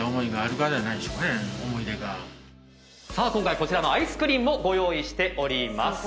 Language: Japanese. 今回こちらのアイスクリンもご用意しております。